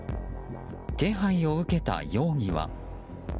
手配を受けた容疑は。